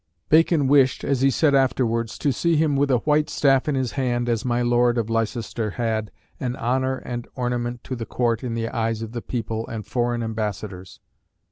Bacon wished, as he said afterwards, to see him "with a white staff in his hand, as my Lord of Leicester had," an honour and ornament to the Court in the eyes of the people and foreign ambassadors.